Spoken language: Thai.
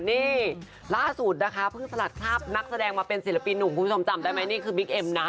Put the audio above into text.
นี่ล่าสุดนะคะเพิ่งสลัดคราบนักแสดงมาเป็นศิลปินหนุ่มคุณผู้ชมจำได้ไหมนี่คือบิ๊กเอ็มนะ